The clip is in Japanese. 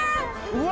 うわ！！